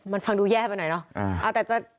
มันฟังดูแย่ไปหน่อยเนาะ